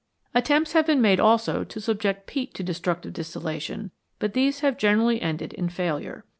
Attempts have been made also to subject peat to de structive distillation, but these have generally ended in failure.